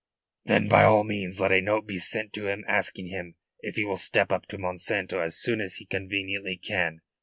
"Then by all means let a note be sent to him asking him if he will step up to Monsanto as soon as he conveniently can.